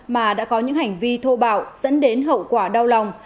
mà đã có những hành vi thô bạo dẫn đến hậu quả đau lòng